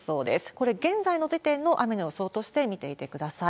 これ、現在の時点の雨の予想として見ていてください。